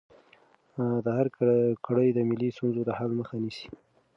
د ارګ کړۍ د ملي ستونزو د حل مخه نیسي.